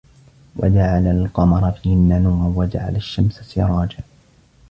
وَجَعَلَ القَمَرَ فيهِنَّ نورًا وَجَعَلَ الشَّمسَ سِراجًا